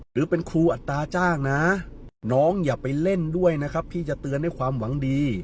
หรือเป็นครูอัตราจ้างนะน้องอย่าไปเล่นด้วยนะครับพี่จะเตือนด้วยความหวังดี